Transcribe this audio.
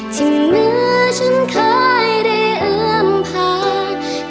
ที่เหมือฉันเคยได้เอิมพา